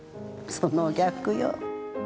その逆よ。